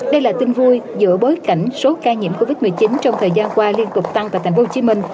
đây là tin vui giữa bối cảnh số ca nhiễm covid một mươi chín trong thời gian qua liên tục tăng tại tp hcm